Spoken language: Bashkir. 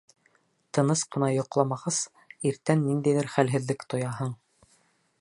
Тыныс ҡына йоҡламағас, иртән ниндәйҙер хәлһеҙлек тояһың.